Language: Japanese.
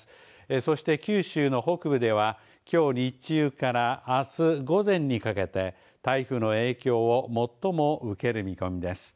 そして、九州の北部ではきょう日中からあす午前にかけて台風の影響を最も受ける見込みです。